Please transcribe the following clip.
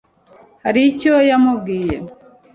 hari icyo yamubwiye